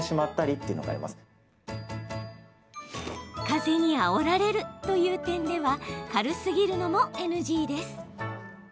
風にあおられるという点では軽すぎるのもＮＧです。